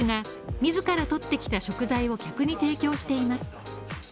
自ら取ってきた食材を客に提供しています。